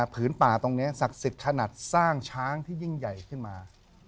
ผืนป่าตรงนี้ศักดิ์สิทธิ์ขนาดสร้างช้างที่ยิ่งใหญ่ขึ้นมา